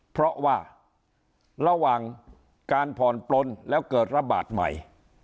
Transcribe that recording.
เพราะว่าระหว่างการผ่อนปลนแล้วเกิดระบาดใหม่